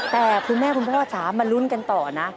แต่คุณแม่คุณพ่อจ๋ามาลุ้นกันต่อนะ